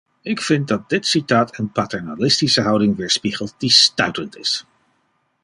Ik vind dat dit citaat een paternalistische houding weerspiegelt, die stuitend is.